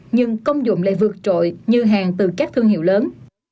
nhưng công dụng lại vượt trội như hàng từ các thương hiệu lớn